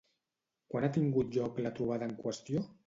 Quan ha tingut lloc la trobada en qüestió?